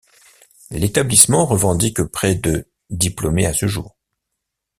L'établissement revendique près de diplômés à ce jour.